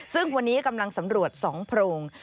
ซึ่งวันนี้กำลังสำรวจ๒โพรง